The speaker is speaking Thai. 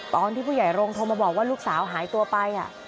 ตอนที่ผู้ใหญ่โรงโทรมาบอกว่าลูกสาวหายตัวไป